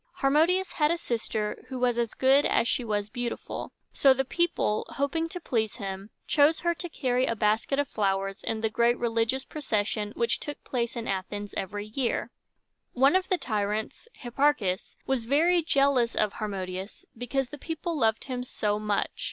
Harmodius had a sister who was as good as she was beautiful: so the people, hoping to please him, chose her to carry a basket of flowers in the great religious procession which took place in Athens every year. One of the tyrants, Hipparchus, was very jealous of Harmodius, because the people loved him so much.